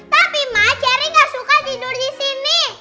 tapi ma sherry gak suka tidur disini